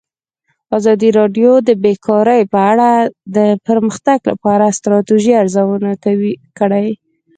ازادي راډیو د بیکاري په اړه د پرمختګ لپاره د ستراتیژۍ ارزونه کړې.